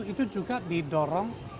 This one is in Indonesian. itu juga didorong